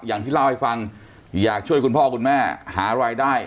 อย่างที่เล่าให้ฟังอยากช่วยคุณพ่อคุณแม่หารายได้